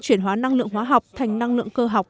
chuyển hóa năng lượng hóa học thành năng lượng cơ học